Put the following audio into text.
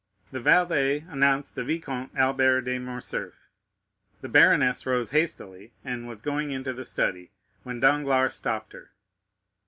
The valet announced the Vicomte Albert de Morcerf. The baroness rose hastily, and was going into the study, when Danglars stopped her.